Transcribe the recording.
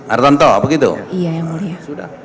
artanto begitu iya yang mulia sudah